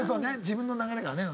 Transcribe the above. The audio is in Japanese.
自分の流れがね。